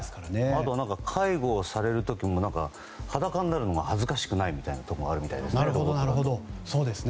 あとは介護をされる時にも裸になるのが恥ずかしくないみたいなところがあるみたいですよ。